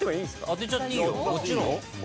当てちゃっていいよもちろん。